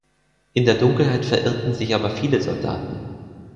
In der Dunkelheit verirrten sich aber viele Soldaten.